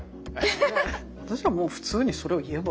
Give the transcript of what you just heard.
私はもう普通にそれを言えばいいと思う。